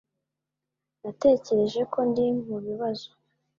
Natekereje ko ndi mubibazo